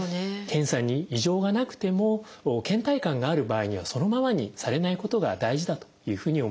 検査に異常がなくてもけん怠感がある場合にはそのままにされないことが大事だというふうに思います。